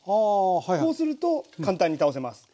そうすると簡単に倒せます。